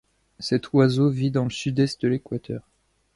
Cet oiseau vit dans le sud-est de l'Équateur.